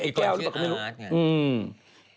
อีกคนชื่ออาสต์